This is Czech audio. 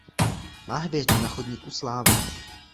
Má hvězdu na chodníku slávy.